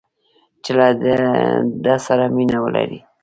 چې له ده سره مینه ولري